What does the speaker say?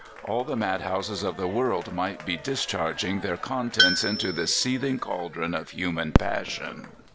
All the mad houses of the world might be discharging their contents into this seething caldron of human passion.